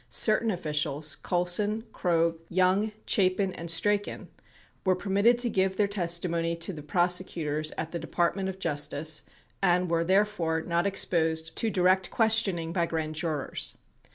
Certain officials — Colson, Krogh, Young, Chapin and Strachan — were per mitted to give their testimony to the prosecutors at the Department of Justice and were, therefore, not exposed to direct questioning by grand jurors.